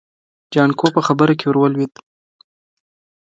جانکو په خبره کې ور ولوېد.